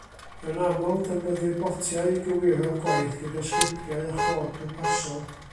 Yn aml, defnyddir botiau i gywiro'r gwaith gyda sgriptiau a chod pwrpasol.